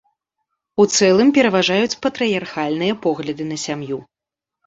У цэлым пераважаюць патрыярхальныя погляды на сям'ю.